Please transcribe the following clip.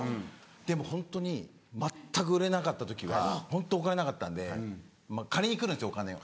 でもホントに全く売れなかった時はホントお金なかったんで借りに来るんですよお金を。